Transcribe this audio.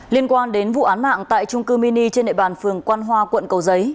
liên quan đến vụ án mạng tại trung cư mini trên nệp bàn phường quang hoa quận cầu giấy